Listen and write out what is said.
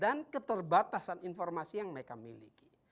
dan keterbatasan informasi yang mereka miliki